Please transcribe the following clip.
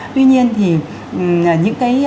tuy nhiên thì những cái